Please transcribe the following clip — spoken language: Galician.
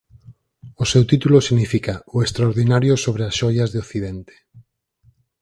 O seu título significa "O extraordinario sobre as xoias de Occidente".